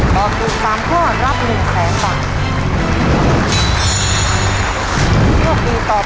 ตอบถูก๓ข้อรับ๑๐๐๐บาท